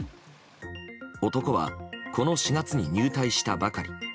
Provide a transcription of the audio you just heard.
男はこの４月入隊したばかり。